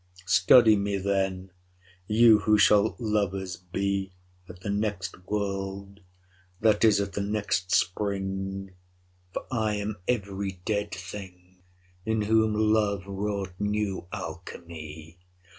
Study me then, you who shall lovers bee 10 At the next world, that is, at the next Spring: For I am every dead thing, In whom love wrought new Alchimie.